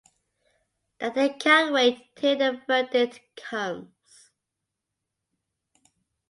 That they can wait till the verdict comes.